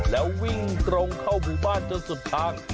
แล้ววิ่งตรงเข้าหมู่บ้านจนสุดทาง